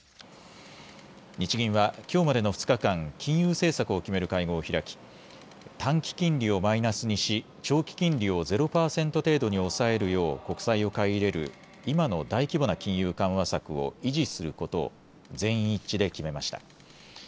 日銀はきょうまでの２日間、金融政策を決める会合を開き短期金利をマイナスにし長期金利をゼロ％程度に抑えるよう国債を買い入れる今の大規模な金融緩和策を維持することを全員一致で決めました。